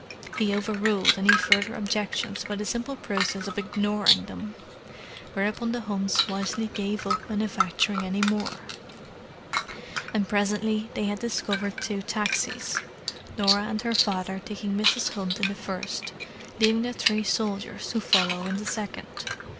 He over ruled any further objections by the simple process of ignoring them, whereupon the Hunts wisely gave up manufacturing any more: and presently they had discovered two taxis, Norah and her father taking Mrs. Hunt in the first, leaving the three soldiers to follow in the second.